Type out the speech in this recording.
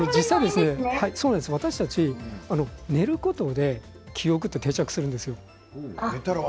私たち、寝ることで記憶は定着するんです。